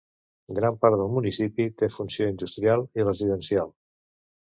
Gran part del municipi té funció industrial i residencial.